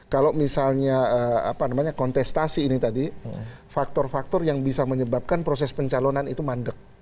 kalau misalnya kontestasi ini tadi faktor faktor yang bisa menyebabkan proses pencalonan itu mandek